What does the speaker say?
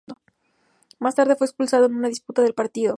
Más tarde fue expulsado en una disputa del partido.